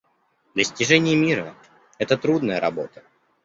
Достижение мира — это трудная работа.